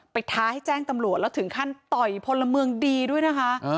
ท้าให้แจ้งตำรวจแล้วถึงขั้นต่อยพลเมืองดีด้วยนะคะ